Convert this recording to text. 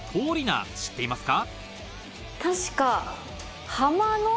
確か。